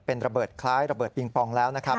เป็นระเบิดคล้ายระเบิดปิงปองแล้วนะครับ